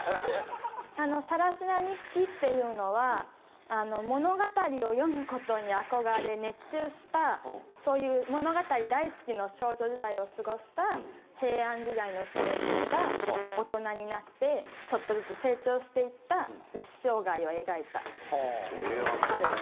『更級日記』っていうのは物語を読む事に憧れ熱中したそういう物語大好きの少女時代を過ごした平安時代の姫君が大人になってちょっとずつ成長していった一生涯を描いたある日記。